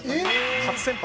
初先発。